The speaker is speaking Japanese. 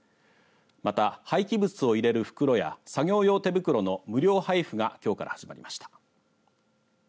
また廃棄物を入れる袋や作業用手袋の無料配布がきょうから始まりました。